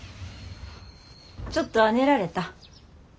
ちょっとは寝られた？